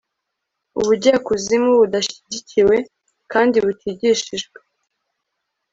Ubujyakuzimu budashyigikiwe kandi butigishijwe